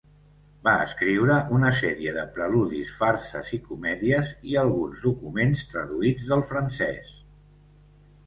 Va escriure una sèrie de preludis, farses i comèdies i alguns documents traduïts del francès.